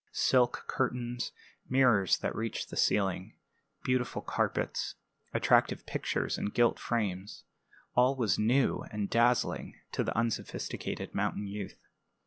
Silk curtains, mirrors that reached to the ceiling, beautiful carpets, attractive pictures in gilt frames all was new and dazzling to the unsophisticated mountain youth.